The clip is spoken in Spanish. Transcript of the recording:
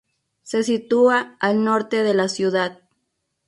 Se sitúa al norte de la ciudad.